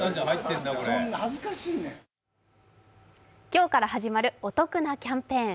今日から始まるお得なキャンペーン。